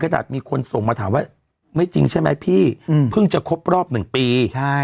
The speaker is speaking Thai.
ขนาดมีคนส่งมาถามว่าไม่จริงใช่ไหมพี่อืมเพิ่งจะคบรอบหนึ่งปีใช่